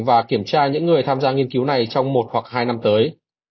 và kiểm tra những người tham gia nghiên cứu này trong một hoặc hai năm tới